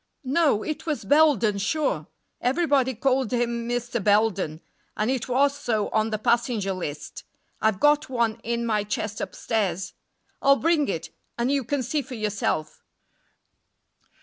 "No; it was Belden sure. Everybody called him Mr. Belden, and it was so on the passenger list; I've got one in my chest upstairs; I'll bring it, and you can see for yourself."